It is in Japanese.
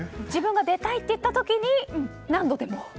自分が出たいと言った時に何度でも？